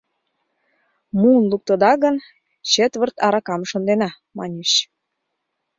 «Муын луктыда гын, четвырт аракам шындена», — маньыч.